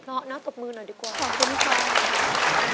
หลับเบี้ยงออกตบมือหน่อยดีกว่าขอบคุณค่ะพยาบาลค่ะ